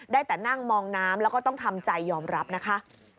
ได้แต่นั่งมองน้ำแล้วก็ต้องทำใจยอมรับนะคะ